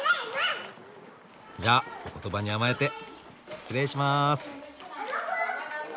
じゃお言葉に甘えて失礼します。